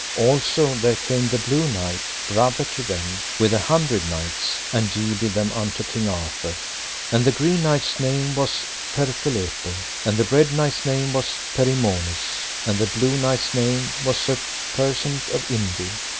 Also there came the Blue Knight, brother to them, with an hundred knights, and yielded them unto King Arthur; and the Green Knight's name was Pertolepe, and the Red Knight's name was Perimones, and the Blue Knight's name was Sir Persant of Inde.